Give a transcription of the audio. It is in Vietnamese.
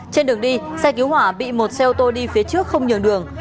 trên đường đi xe cứu hỏa bị một xe ô tô đi phía trước không nhường đường